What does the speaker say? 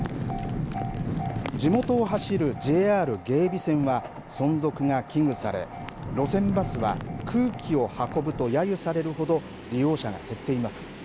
地元を走るＪＲ芸備線は存続が危惧され、路線バスは空気を運ぶとやゆされるほど利用者が減っています。